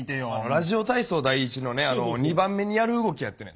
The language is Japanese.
ラジオ体操第１のね２番目にやる動きやってね。